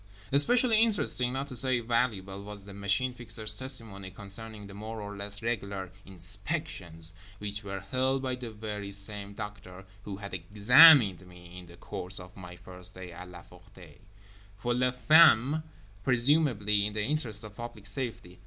Especially interesting, not to say valuable, was the Machine Fixer's testimony concerning the more or less regular "inspections" (which were held by the very same doctor who had "examined" me in the course of my first day at La Ferté) for les femmes; presumably in the interest of public safety.